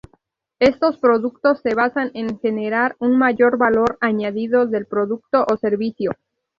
Estos productos se basan en generar un mayor Valor Añadido del producto o servicio.